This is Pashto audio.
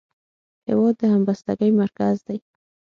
هېواد د همبستګۍ مرکز دی.